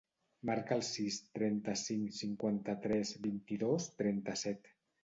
Marca el sis, trenta-cinc, cinquanta-tres, vint-i-dos, trenta-set.